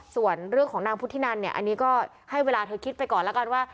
ส่วนเรื่องของนางพุทธินันเนี่ยอันนี้ก็ให้เวลาเธอคิดไปก่อนแล้วกันว่า